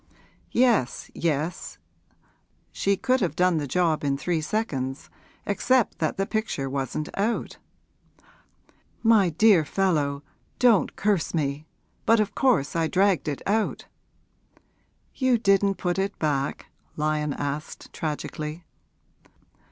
'Yes, yes; she could have done the job in three seconds, except that the picture wasn't out.' 'My dear fellow, don't curse me! but of course I dragged it out.' 'You didn't put it back?' Lyon asked tragically.